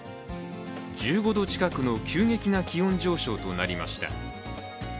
１５度近くの急激な気温上昇となりました。